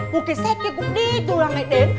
một cái xe kia cũng đi từ đằng này đến